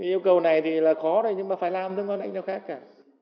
yêu cầu này thì là khó thôi nhưng mà phải làm thì không có lãnh đạo khác cả